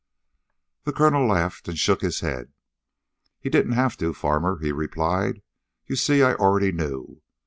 The colonel laughed and shook his head. "He didn't have to, Farmer," he replied. "You see, I already knew.